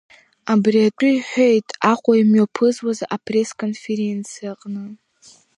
Абри атәы иҳәеит Аҟәа имҩаԥысуаз апресс-конференциаҟны.